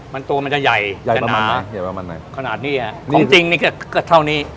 มันตัวมันจะใหญ่ใหญ่กว่ามันไหมใหญ่ว่ามันไหนขนาดนี้อ่ะของจริงนี่ก็เท่านี้